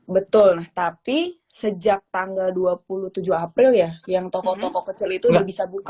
betul nah tapi sejak tanggal dua puluh tujuh april ya yang toko toko kecil itu udah bisa buka